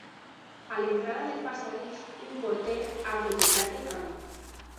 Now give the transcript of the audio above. A l'entrada del passadís, un porter ha bloquejat el camí.